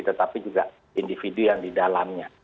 tetapi juga individu yang di dalamnya